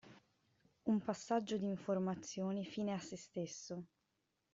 Un passaggio di informazioni fine a sé stesso.